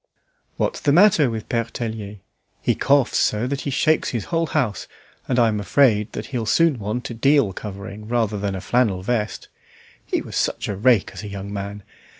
"What's the matter with Pere Tellier? He coughs so that he shakes his whole house, and I'm afraid he'll soon want a deal covering rather than a flannel vest. He was such a rake as a young man!